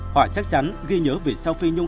họ chắc chắn ghi nhớ vị sao phi nhung